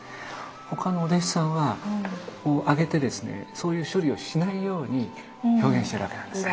他のお弟子さんはここを上げてですねそういう処理をしないように表現しているわけなんですね。